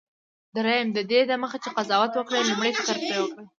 دریم: ددې دمخه چي قضاوت وکړې، لومړی فکر پر وکړه.